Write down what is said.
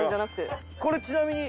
これちなみに。